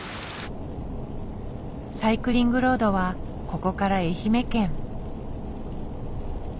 サイクリングロードはここから愛媛県。